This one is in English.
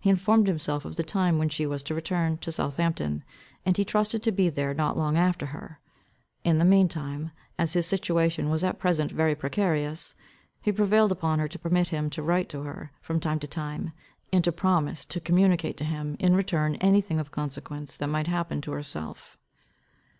He informed himself of the time when she was to return to Southampton, and he trusted to be there not long after her. In the mean time, as his situation was at present very precarious, he prevailed upon her to permit him to write to her from time to time, and to promise to communicate to him in return any thing of consequence that might happen to herself.